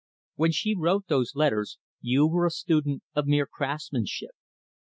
When she wrote those letters, you were a student of mere craftsmanship.